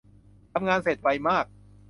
ทำงานเสร็จไวมาก